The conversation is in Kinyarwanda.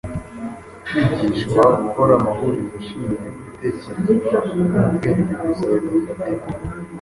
kwigishwa gukora amahurizo ashingiye ku bitekerezwa mu bwenge gusa bidafatika,